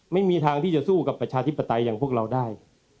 ไม่มีทางที่จะสู้กับประชาธิปไตยอย่างพวกเราได้